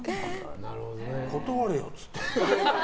断れよっつって。